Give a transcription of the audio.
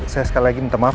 saya sekali lagi minta maaf